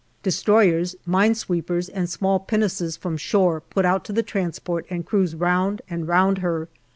Destroyers, mine sweepers, and small pinnaces from shore put out to the transport and cruise round and round her.